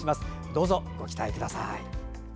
どうぞご期待ください。